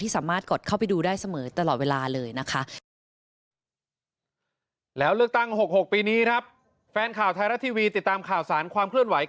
สามารถกดเข้าไปดูได้เสมอตลอดเวลาเลยนะคะ